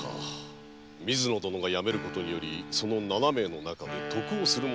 水野殿が辞めることによりその七名の中で得をする者がいるかもしれません。